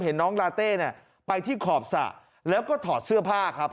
เห็นน้องลาเต้เนี่ยไปที่ขอบสระแล้วก็ถอดเสื้อผ้าครับ